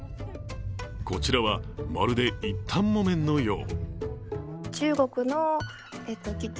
こちらは、まるで一反木綿のよう。